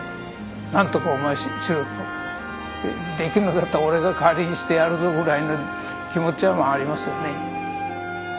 「何とかお前しろ」と「できんのだったら俺が代わりにしてやるぞ」ぐらいの気持ちはまあありますよね。